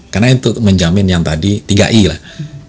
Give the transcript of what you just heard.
karena itu menjamin yang tadi tiga i lah ya